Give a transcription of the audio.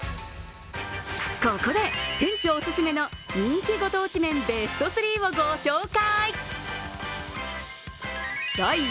ここで店長お勧めの任期ご当地麺ベスト３をご紹介。